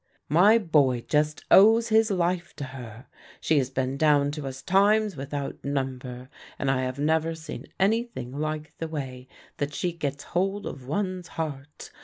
"My boy just owes his life to her; she has been down to us times without number, and I have never seen anything like the way that she gets hold of one's heart.